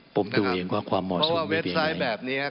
ผมดูเองว่าความเหมาะสมมีอะไรเพราะว่าเว็ดไซด์แบบเนี้ย